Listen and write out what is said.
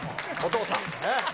お父さん。